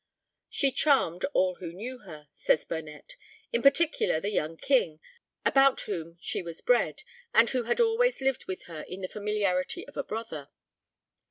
"She charmed all who knew her," says Burnet, "in particular the young King, about whom she was bred, and who had always lived with her in the familiarity of a brother."